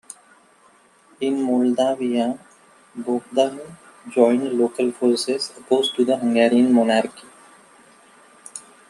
In Moldavia, Bogdan joined local forces opposed to the Hungarian monarchy.